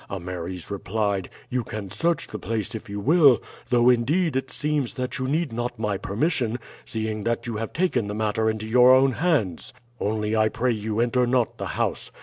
Ameres replied, 'You can search the place if you will; though, indeed, it seems that you need not my permission, seeing that you have taken the matter into your own hands. Only I pray you enter not the house.